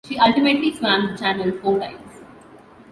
She ultimately swam the Channel four times.